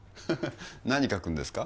何描くんですか？